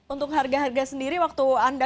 untuk harga harga sendiri waktu anda